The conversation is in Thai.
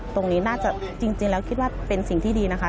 ตรงนี้น่าจะจริงแล้วคิดว่าเป็นสิ่งที่ดีนะคะ